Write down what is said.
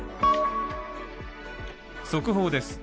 速報です。